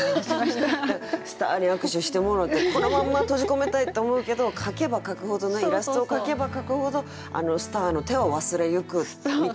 スターに握手してもろてこのまんま閉じ込めたいと思うけど描けば描くほどなイラストを描けば描くほどスターの手は忘れゆくみたいな。